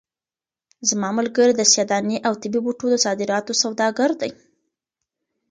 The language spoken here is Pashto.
زما ملګری د سیاه دانې او طبي بوټو د صادراتو سوداګر دی.